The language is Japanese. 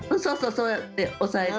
そうやって押さえて。